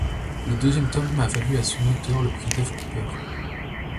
Le deuxième tome a valu à son auteur le Prix Duff Cooper.